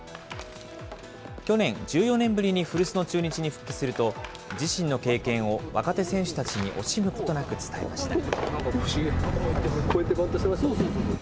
去年１４年ぶりに古巣の中日に復帰すると、自身の経験を若手選手たちに惜しむことなく伝えました。